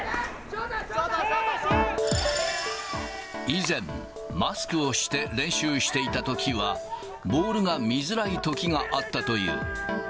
以前、マスクをして練習していたときは、ボールが見づらいときがあったという。